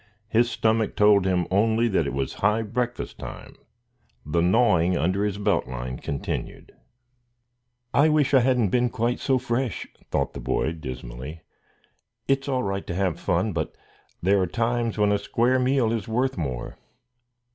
His stomach told him only that it was high breakfast time. The gnawing under his belt line continued. "I wish I hadn't been quite so fresh!" thought the boy, dismally. "It's all right to have fun, but there are times when a square meal is worth more."